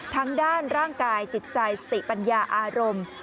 ทั้งด้านร่างกายจิตใจสติปัญญาอารมณ์